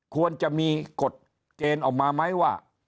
ควรจะมีกฎเกณฑ์ออกมาไหมว่า